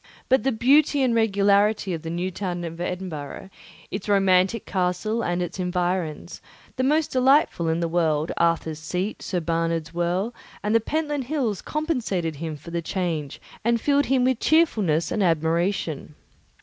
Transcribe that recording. But the beauty and regularity of the new town of Edinburgh, its romantic castle and its environs, the most delightful in the world, Arthur's Seat, St. Bernard's Well, and the Pentland Hills, compensated him for the change and filled him with cheerfulness and admiration.